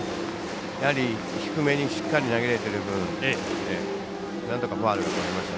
やはり低めにしっかり投げられている分なんとかファウルにしました。